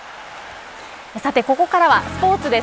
さてここからはスポーツです。